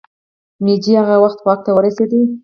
مېجي هغه وخت واک ته ورسېد.